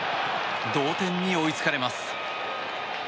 同点に追いつかれます。